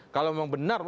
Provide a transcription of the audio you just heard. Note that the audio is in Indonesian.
kalau memang benar